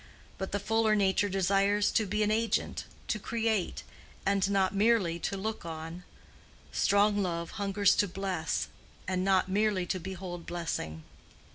But the fuller nature desires to be an agent, to create, and not merely to look on: strong love hungers to bless, and not merely to behold blessing.